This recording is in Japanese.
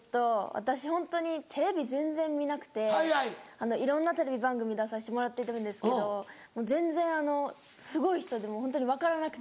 私ホントにテレビ全然見なくていろんなテレビ番組出させてもらってるんですけど全然すごい人でもホントに分からなくて。